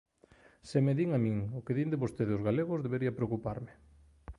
Se me din a min o que din de vostede os galegos, debería preocuparme.